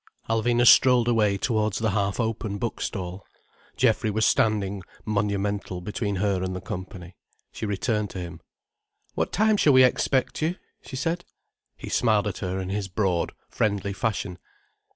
Alvina strolled away towards the half open bookstall. Geoffrey was standing monumental between her and the company. She returned to him. "What time shall we expect you?" she said. He smiled at her in his broad, friendly fashion.